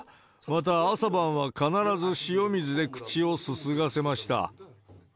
また、朝晩は必ず塩水で口をすすがせました。